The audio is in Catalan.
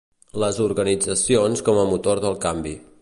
Les organitzacions com a motor del canvi.